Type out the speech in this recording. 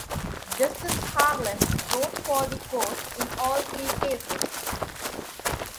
Justice Harlan wrote for the Court in all three cases.